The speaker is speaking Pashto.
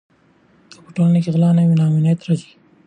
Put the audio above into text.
که په ټولنه کې غلا نه وي نو امنیت راځي.